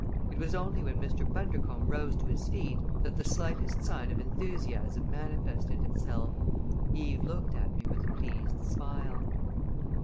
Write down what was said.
It was only when Mr. Bundercombe rose to his feet that the slightest sign of enthusiasm manifested itself. Eve looked at me with a pleased smile.